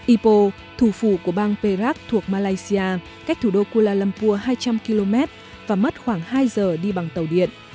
ipo thủ phủ của bang perac thuộc malaysia cách thủ đô kuala lumpur hai trăm linh km và mất khoảng hai giờ đi bằng tàu điện